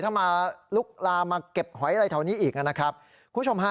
ถ้ามาลุกลามมาเก็บหอยอะไรแถวนี้อีกนะครับคุณผู้ชมฮะ